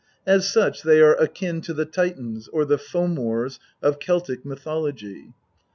As such they are akin to the Titans, or the Fomors of Celtic mythology.